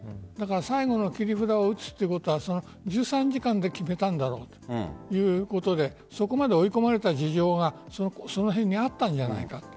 最後の切り札を打つということは１３時間で決めたんだろうということでそこまで追い込まれた事情がその辺にあったんじゃないかと。